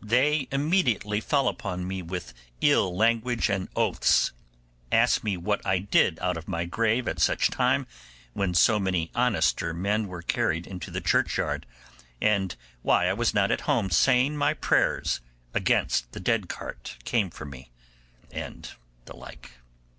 They immediately fell upon me with ill language and oaths, asked me what I did out of my grave at such a time when so many honester men were carried into the churchyard, and why I was not at home saying my prayers against the dead cart came for me, and the like.